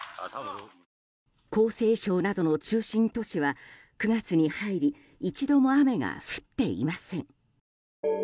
江西省などの中心都市は９月に入り一度も雨が降っていません。